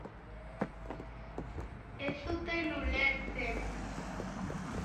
Ez zuten ulertzen.